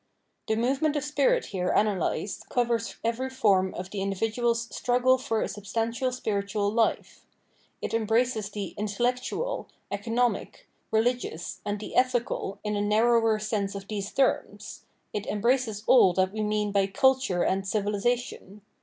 The movement of spirit here analysed covers every form of the in dividual's "struggle for a substantial spiritual life." It embraces the " intellectual," " economic," " religious," and the " ethical " in the narrower sense of these terms ; it embraces all that we mean by " culture " and " civilisation."